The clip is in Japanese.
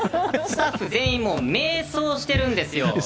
スタッフ全員迷走しているんですよ。